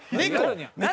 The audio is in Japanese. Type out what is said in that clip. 何？